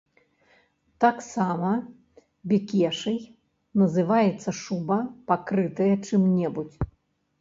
Таксама бекешай называецца шуба, пакрытая чым-небудзь.